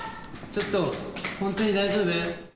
ちょっと本当に大丈夫？